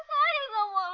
aku mau pergi kemana mana